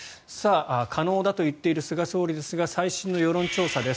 可能だと言っている菅総理ですが最新の世論調査です。